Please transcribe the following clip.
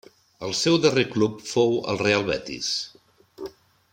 El seu darrer club fou el Real Betis.